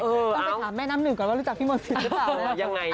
ต้องไปถามแม่น้ำหนึ่งก่อนว่ารู้จักพี่มนศิษย์หรือเปล่า